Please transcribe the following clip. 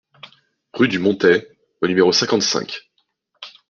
Rue du Montais au numéro cinquante-cinq